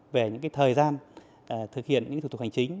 về những thời gian thực hiện những thủ tục hành chính